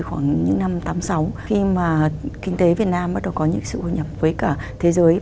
khoảng những năm tám mươi sáu khi mà kinh tế việt nam bắt đầu có những sự hội nhập với cả thế giới